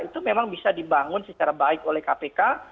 itu memang bisa dibangun secara baik oleh kpk